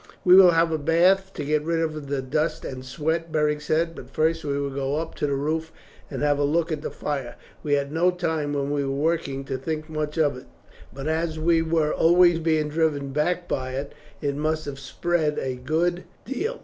"We will have a bath to get rid of the dust and sweat," Beric said. "But first we will go up to the roof and have a look at the fire. We had no time when we were working to think much of it; but as we were always being driven back by it, it must have spread a good deal."